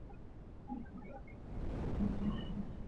Uganda imewashauri raia wake wanaoishi Kenya kuchukua tahadhari